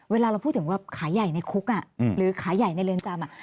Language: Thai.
เวลาเราพูดถึงแบบขายใหญ่ในคุกหรือขายใหญ่ในเรือนจำ